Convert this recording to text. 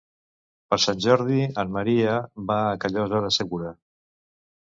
Per Sant Jordi en Maria va a Callosa de Segura.